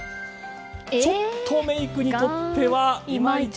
ちょっとメイクにとってはイマイチ。